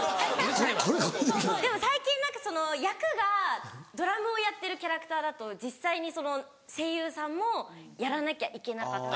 でも最近役がドラムをやってるキャラクターだと実際にその声優さんもやらなきゃいけなかったり。